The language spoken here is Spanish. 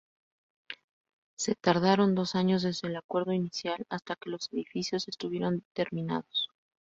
Se tardaron dos años desde el acuerdo inicial hasta que los edificios estuvieron terminados.